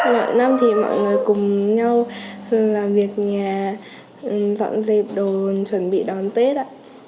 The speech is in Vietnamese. mọi năm thì mọi người cùng nhau làm việc nhà dọn dẹp đồ chuẩn bị đón tết ạ